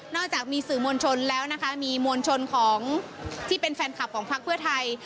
จากมีสื่อมวลชนแล้วนะคะมีมวลชนของที่เป็นแฟนคลับของพักเพื่อไทย